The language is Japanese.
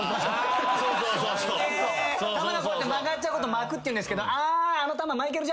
球が曲がっちゃうこと巻くっていうんですけど。